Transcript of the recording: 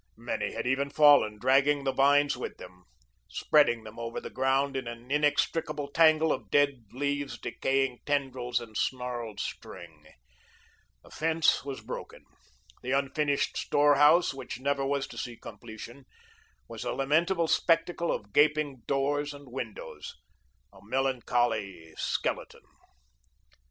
Many had even fallen, dragging the vines with them, spreading them over the ground in an inextricable tangle of dead leaves, decaying tendrils, and snarled string. The fence was broken; the unfinished storehouse, which never was to see completion, was a lamentable spectacle of gaping doors and windows a melancholy skeleton.